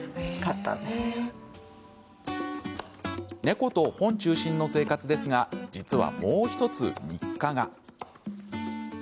猫と本中心の生活ですが実は、もう１つ日課が。